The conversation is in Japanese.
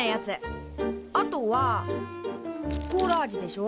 あとはコーラ味でしょ